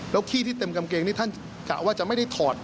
ขี้ที่เต็มกางเกงนี่ท่านกะว่าจะไม่ได้ถอด